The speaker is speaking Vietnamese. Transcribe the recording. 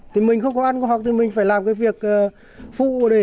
thì mình không có ăn có học thì mình phải làm cái việc phụ để phụ trong gia đình